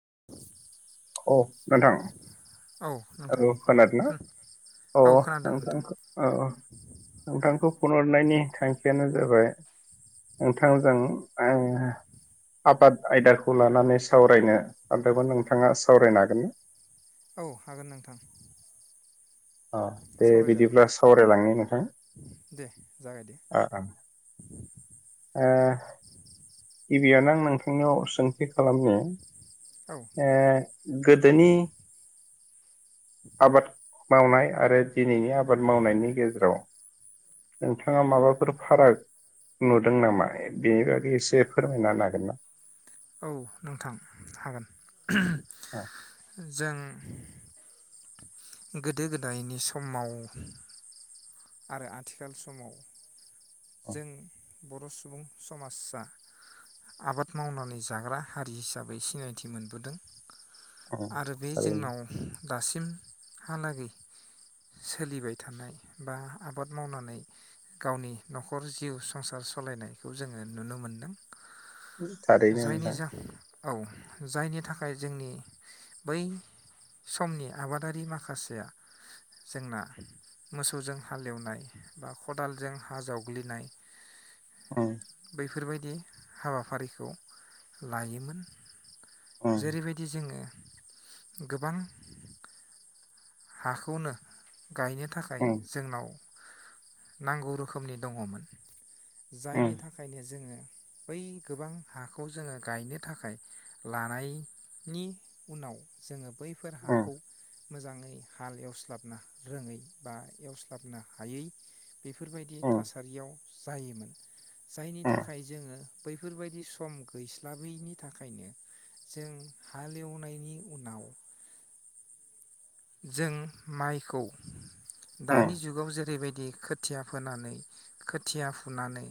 [inaudible] औ नोंथां औ नोंथां हेलौ खोनादोंना खोन औ खोनादों नोंथां नोंथांखौ औ ओ नोंथांखौ फन हरनायनि थांखियानो जाबाय नोंथांजों आबाद आयदाखौ लानानै सावरायनो सानदोंमोन नों नोंथाङा सावरायनो हागोन। औ हागोन नोंथां अ दे सावरायजागोन बिदिब्ला सावरायलांनो नोंथां जागाय दे ओ ओ गिबियावनो आं नोंथांनियाव सोंथि खालामनो औ ओ गोदोनि आबाद मावनाय आरो दिनैनि आबाद मावनायनि गेजेराव नोंथाङा माबाफोर फाराग नुदों नामा बेनि बागै एसे फोरमायना होनो हागोन ना? औ नोंथां हागोन औ जों गोदो गोदायनि समाव आरो आथिखाल समाव औ जों बर' सुबुं समाजा आबाद मावनानै जाग्रा हारि हिसाबै सिनायथि मोनबोदों। उम आरो बे थारैनो जोंनाव दासिमहालागै सोलिबाय थानाय बा आबाद मावनानै गावनि न'खर जिउ संसार सालायनायखौ जोङो नुनो मोनदों। [unintelligible] जायनि नोंथां जाहो औ जायनि थाखाय जोंनि बै समनि आबादारि माखासेया जोंना मोसौजों हालेवनाय बा खदालजों हा जावग्लिनाय औ बेफोरबायदि हाबाफारिखौ लायोमोन। उम जेरैबायदि जोङो गोबां हाखौनो गायनो थाखाय उम जोंनाव नांगौ रोखोमनि दङमोन। जायनि उम थाखायनो जोङो बै गोबां हाखौ जोङो गायनो थाखाय लानायनि उनाव जोङो बैफोर उम हाखौ मोजाङै हाल एवस्लाबनो रोङै बा एवस्लाबनो हायै बेफोरबायदि उम थासारियाव जायोमोन। जायनि उम थाखाय जोङो बैफोरबायदि सम गैस्लाबैनि थाखायनो जों हालेवनायनि उनाव जों माइखौ उम दानि जुगाव जेरैबायदि खोथिया फोनानै खोथिया फुनानै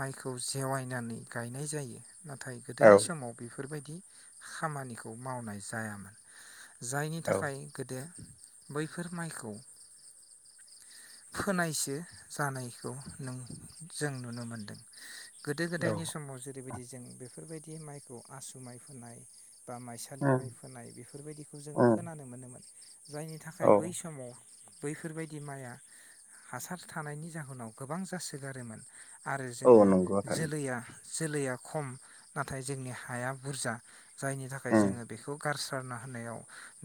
माइखौ जेवायनानै गायनाय जायो। नाथाय औ गोदोनि समाव बेफोरबायदि खामानिखौ मावनाय जायामोन जायनि थाखाय दे बैफोर माइखौ फोनायसो जानायखौ नों जों नुनो मोनदों गोदो औ गोदायनि समाव जेरैबायदि जों बेफोरबायदि बे माइखौ आसु माइ फोनाय बा माइसालि माइ उम फोनाय बेफोरबायदिखौ जोङो उम खोनानो मोनोमोन जायनि औ थाखाय बै समाव बैफोरबायदि माइआ हासार थानायनि जाहोनाव गोबां जासोगारोमोन आरो औ जोङो नंगौ थारैनो जोलैया जोलैया खम नाथाय जोंनि हाया बुरजा जायनि थाखाय उम जोङो बेखौ गारसो गारना होनायाव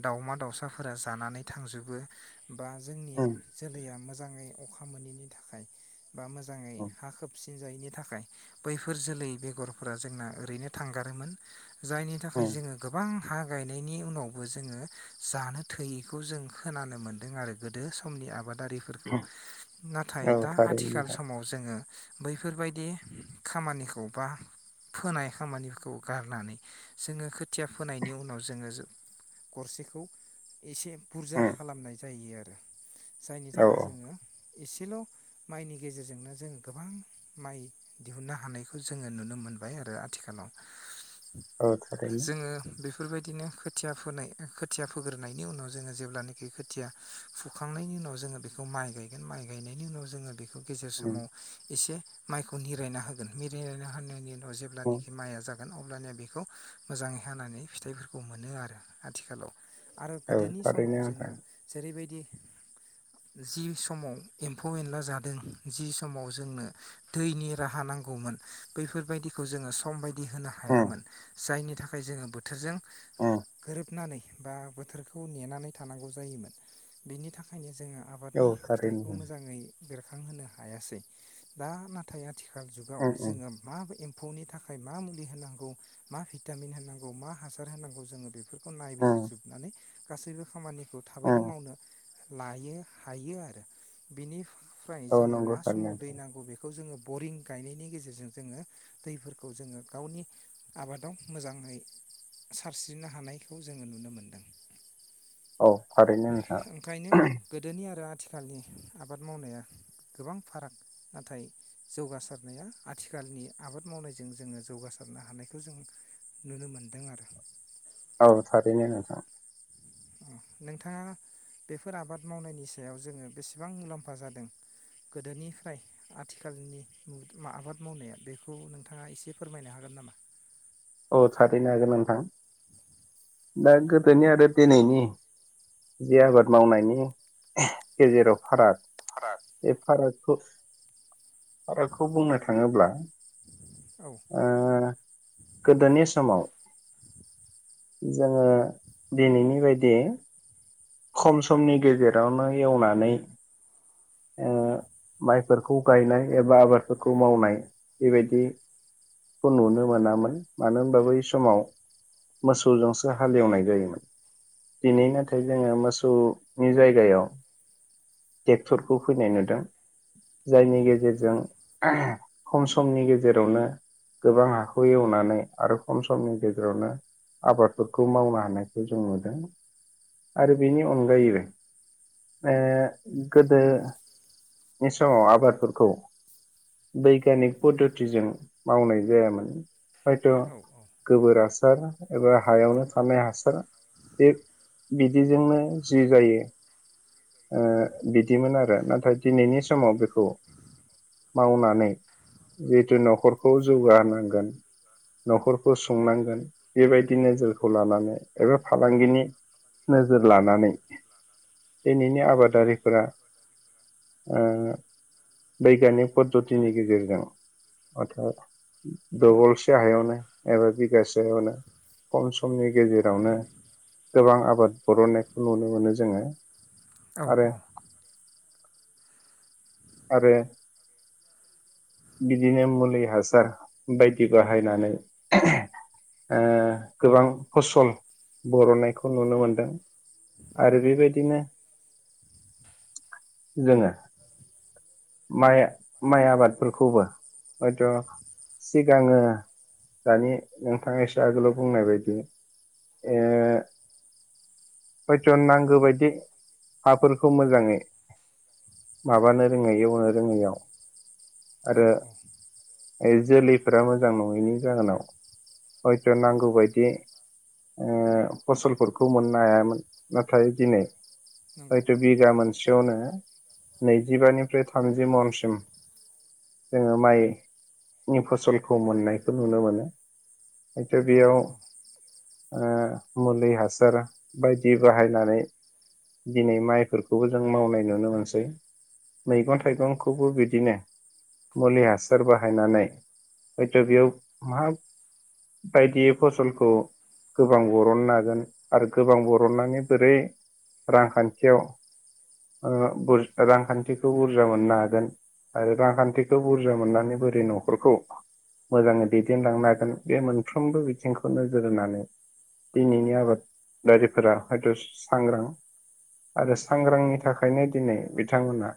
दावमा दावसा फोरा जानानै थांजोबो बा जोंनि उम जोलैया मोजाङै अखा अखा मोनैनि थाखाय बा मोजाङै उम हा खोबसि सिनजायैनि थाखाय बैफोर जोलै बेगरफोरा जोंना ओरैनो थांगारोमोन जायनि थाखाय उम जोङो गोबां हा गायनायनि उनावबो जोङो जानो थोयैखौ जों खोनानो मोन्दों आरो गोदो समनि आबाद आबादारिफोरखौ नाथाय औ दा थारैनो आथिखाल नोंथां समाव जोङो बैफोरबायदि खामानिखौ बा फोनाय खामानिफोरखौ गारनानै जोङो खोथिया फोनायनि उनाव जोङो गरसेखौ एसे बुरजा उम खालामनाय जायो आरो जायनि औ थाखाय औ जोङो एसेल' माइनि गेजेरजोंनो जों गोबां माइ दिहुननो हानायखौ जोङो नुनो मोनबाय आरो आथिखालाव औ थारैनो जोङो बेफोरबायदिनो खोथिया फोनाय खोथिया फोग्रोनायनि उनाव जोङो जेब्लानाखि खोथिया फुखांनायनि उनाव जोङो बेखौ माइ गायगोन माइ गायनायनि उनाव जोङो बेखौ बेखौ गेजेर उम समाव एसे माइखौ निरायना होगोन मिरायलायना हानायनि ओ उम जेब्लानिखि माइ आ जा गोन अब्लानिया बेखौ मोजाङै हानानै फिथाइफोरखौ मोनो आरो आथिखालाव आरो औ गोदोनि थारैनो समाव नोंथां जोङो जेरैबायदि जि समाव एम्फौ एनला जादों जि समाव जोंनो दैनि राहा नांगौमोन बैफोरबायदिखौ जोङो सम बाय नि होनो उम हायामोन जायनि थाखाय जोङो बोथोरजों उम गोरोबनानै बा बोथोरखौ नेनानै थानांगौ जायोमोन बेनि थाखायनो जोङो औ आबादनि थारैनो फिथाइखौ उम मोजाङै बेरखांहोनो हायासै दा नाथाय आथि खाल जुगाव उम जोङो माबा एम फौनि थाखाय मा मुलि होनांगौ मा भिटामिन होनांगौ मा हासार होनांगौ जोङो बेफोरखौ नाय उम जोबनानै गासैबो खामानि खौ थाबैनो उम मावनो लायो हायो आरो बिनि फ्राय औ जोङो नंगौ मा थारैनो समाव दै नोंथां नांगौ बेखौ जोङो बरिं गायनायनि गेजेरजों जोङो दैफोरखौ जोङो गावनि आबादाव मोजाङै सारस्रिनो हानायखौ जोङो नुनो मोन औ थारैनो नोंथाङा थिखालनि आबाद मावनाया गोबां फाराग नाथाय जौगासारनाया आथिखालनि आबाद मावनायजों जोङो जौगासारनो हानायखौ जों नुनो मोनदों आरो औ थारैनो नोंथां अ नोंथाङा बेफोर आबाद मावनायनि सायाव जोङो बेसेबां मुलाम्फा जादों गोदोनिफ्राय आथिखालनि मो आबाद मावनाया बेखौ नोंथाङा एसे फोरमायनो हागोन नामा? औ थारैनो हागोन नोंथां दा गोदोनि आरो दिनैनि जि आबाद मावनायनि गेजेराव फाराग बे फाराग खुस आबादखौ बुंनो थाङोब्ला औ ओ गोदोनि समाव जोङो दिनैनि बायदि खम समनि गेजेरावनो एवनानै ओ माइफोरखौ गायनाय एबा आबादफोरखौ मावनाय बेबायदि खौ नुनो मोनामोन मानो होनबा बै समाव मोसौजोंसो हालेवनाय जायोमोन। औ दिनै नाथाय ओ मोसौनि जायगायाव टेक्टरखौ फैनाय नुदों जायनि गे औ जेरजों खम समनि गेजेरावनो गोबां हाखौ एवनानै आरो खम समनि गेजेरावनो आबादफोरखौ मावनो हानायखौ जों नुदों। आरो बिनि अनगायै ओ गोदोनि समाव आबादफोरखौ बैग्यानिक पद्धथिजों मावनाय जायामोन। हयथ' औ गोबो हासार हासार एबा हायावनो थानाय हासार बे बिदिजोंनो जि जायो ओ बिदिमोन आरो नाथाय दिनैनि समाव बेखौ मावनानै जिहेथु न'खरखौ जौगाहोनांगोन न'खरखौ सुंनांगोन बेबायदि नोजोरखौ लानानै एबा फालांगिनि नोजोर लानानै दिनैनि आबादारिफोरा ओ बैगानिक पद्धतिनि गेजेरजों अर्थ दबलसे हायावनो एबा बिगासेयावनो खम समनि गेजेरावनो गोबां आबाद बरननायखौ नुनो मोनो जोङो। औ आरो औ आरो बिदिनो मुलि हासार बायदि बाहायनानै गोबां ओ फसल बरननायखौ नुनो मोनदों। आरो औ बेबायदिनो जोङो माइ माइ आबादफोरखौबो हयथ' सिगाङो दानि नोंथां एस आगोलाव बुंनाय बायदि ओ हयथ' नांगौ बायदि हाफोरखौ मोजाङै माबानो रोङै एवनो रोङैयाव औ आरो औ जोलैफोरा मोजां नङैनि जाहोनाव हयथ' औ नांगौबायदि ओ फसलफोरखौ मोननो हायामोन नाथाय दिनै नंगौ हयथ' बिगा मोन सेयावनो नैजिबानिफ्राय थामजि मनसिम जोङो माइनि फसलखौ मोननायखौ नुनो मोनो हयथ' औ बेयाव औ ओ मुलि हासार बायदि बाहायनानै दिनै माइफोरखौबो जों मावनाय नुनो मोनसै मैगं थाइगंखौबो बिदिनो मुलि हासार बाहायनानै हयथ' बेयाव मा बायदियै फसलखौ गोबां बरननो हागोन आरो गोबां बरननानै बोरै रांखान्थियाव ओ बुर रांखान्थिखौ बुरजा मोननो हागोन आरो रांखान्थिखौ बुरजा मोननानै बोरै न'खरखौ मोजाङै दैदेनलांनो हागोन बे मोनफ्रोमबो बिथिंखौ नोजोर होनानै दिनैनि आबादारिफोरा हयथ' सांग्रां आरो सांग्रांनि थाखायनो दिनै बिथांमोना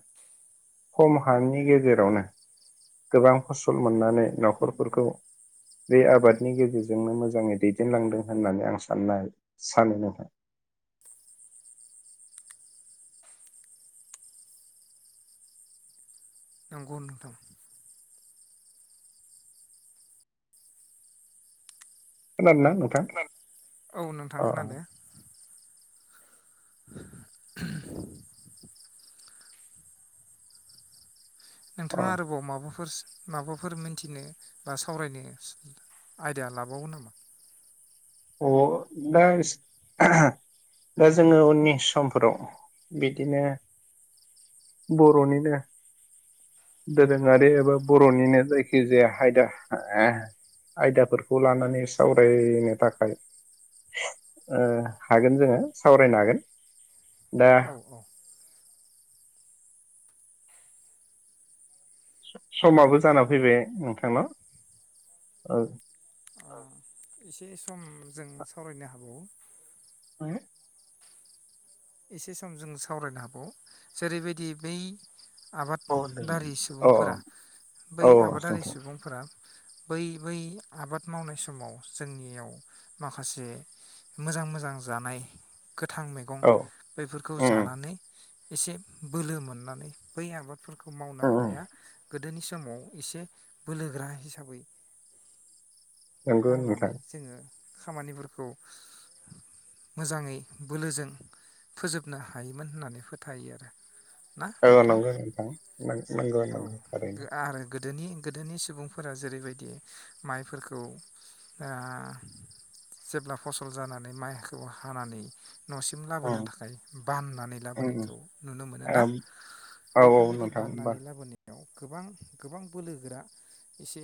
खम हानि गेजेरावनो गोबां फसल मोननानै न'खरफोरखौ बे आबादनि गेजेरजोंनो मोजाङै दैदेनलांदों होननानै आं सानना सानो नोंथां नंगौ नोंथां खोनादोंना नोंथां औ नोंथां अ खोनादो नोंथाङा अ आरोबाव माबाफोर माबाफोर मोनथिनो बा सावरायनो आयदा लाबावो नामा अ दा दा जोङो उननि समफोराव बिदिनो बर'निनो दोरोङारि एबा बर'निनो जायखिजाया आयदा आयदाफोरखौ लानानै सावरायनो थाखाय हागोन ओ हागोन जोङो सावरायनो हागोन दा औ औ समाबो जानानानै फैबाय नोंथांनाव औ एसे सम जों सावरायनो हाबावो हो एसे सम जों सावरायनो हाबावो जेरैबायदि बै दे आबादारि औ सुबुंफोरा बै औ आबादारि नोंथां सुबुंफोरा बै बै आबाद मावनाय समाव जोंनियाव माखासे मोजां मोजां जानाय गोथां मै औ बैफोरखौ जानानै एसे बोलो मोननानै बै आबाद फोरखौ मावनो हानाया गोदोनि सम समाव एसे बोलोगोरा हिसाबै नंगौ मावनानै नोंथां जोङो खामानिफोरखौ मोजाङै बोलोजों फोजोबनो हायोमोन होननानै फोथायो आरो औ नंगौ नोंथां नंगौ औ नंगौ थारैनो आरो गोदोनि गोदोनि सुबुंफोरा जेरैबायदि माइफोरखौ ओ जेब्ला फसल जानानै माइखौ हानानै न' सिम लाबोनो ओम थाखाय बाननानै ओम लाबोनायखौ नुनो मोनोना औ औ बैफोरबायदि नोंथां होमबा बाननानै लाबोनाय। गोबां गोबां बोलोगोरा एसे।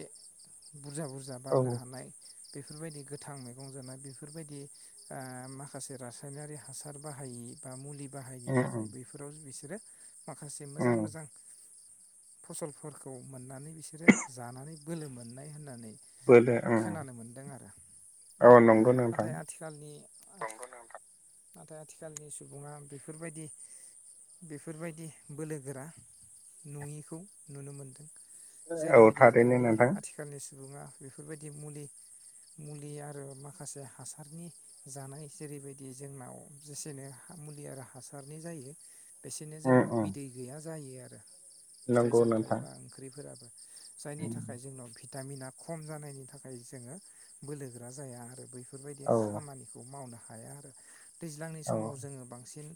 बुरजा बुरजा औ बाननो ओम हानाय बेफोरबायदि गोथां मैगं जानाय बेफोरबायदि ओ माखासे रासायनारि हा हासार बाहायि बा मुलि बाहायनो थाखाय ओम बैफोराव बिसोरो माखासे मोजां ओम मोजां फसलफोरखौ मोननानै बिसोरो जानानै बोलो मोननाय होननानै बोलो ओम खोनानो मोनदों आरो औ नंगौ नोंथां नाथाय आथिखालनि नंगौ नोंथां। नाथाय आथिखालनि सुबुङा बेफोरबायदि बेफोरबायदि बोलो गोरा नुयिखौ नुनो मोनदों। औ जेरैबायदि थारैनो दानि नोंथां आथिखालनि सुबुङा बेफोरबायदि मुलि मुलि आरो माखासे हासारनि जानाय जेरैबायदि जोंनाव जेसेनो मुलि आरो हासारनि जायो। बेसेनो ओम जोंनाव ओम बिदै गैया। जायो आरो। नंगौ फिथाइ-सामथायाइ नोंथां बा ओंख्रिफोराबो जायनि ओम थाखाय जोंनाव भिटामिना खम जानायनि थाखाय जोङो बोलोग्रा जाया आरो बै फोरबायदि औ खामानिखौ मावनो हाया आरो। दैज्लांनि औ समाव जोङो बांसिन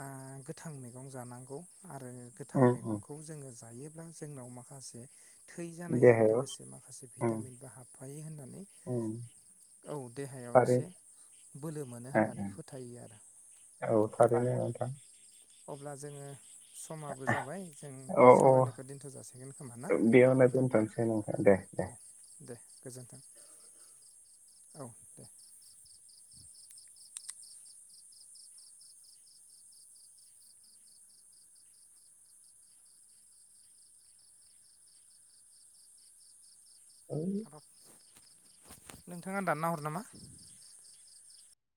ओ गोथां मैगं जानांगौ आरो गोथां ओम ओम मैगंखौ जोङो जायो। ब्ला जोंनाव माखासे थै जानायजों देहायाव लोगोसे माखासे ओम भिटामिनबो हाबफायो होननानै ओम औ देहायाव थारै एसे बोलो मोनो ओ होननानै औ थारैनो आरो नोंथां। अब्ला जोङो। समाबो जाबाय जों औ औ सावरायनायखौ दोनथ' जाासिगोन खोमा ना बेयावनो नोंथां दोनथ'नोसै नोंथां दे औ दे गोजोन्थों। औ दे। आब' [unintelligible] नोंथाङा दानना हर नामा?